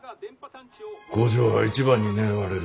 工場は一番に狙われる。